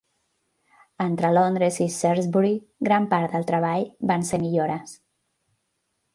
Entre Londres i Shrewsbury, gran part del treball van ser millores.